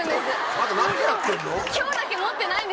あんた何やってんの？